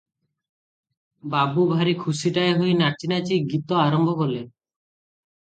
ବାବୁ ଭାରି ଖୁସିଟାଏ ହୋଇ ନାଚି ନାଚି ଗୀତ ଆରମ୍ଭ କଲେ ।